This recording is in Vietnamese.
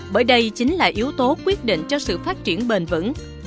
bởi đây chính là yếu tố quyết định cho sự phát triển bền vững